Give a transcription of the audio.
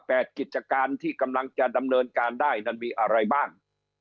กิจการที่กำลังจะดำเนินการได้นั้นมีอะไรบ้าง